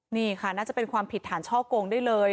นี่ค่ะน่าจะเป็นความผิดฐานช่อกงได้เลย